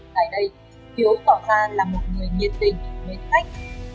tại đây thiếu tỏ ra là một người nhiệt tình mến tách